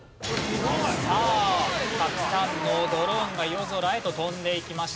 さあたくさんのドローンが夜空へと飛んでいきました。